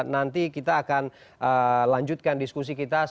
nanti kita akan lanjutkan diskusi kita